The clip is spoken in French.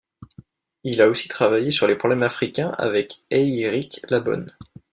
Il a aussi travaillé sur les problèmes africains avec Eirik Labonne.